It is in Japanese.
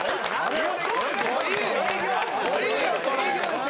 いいよそれ。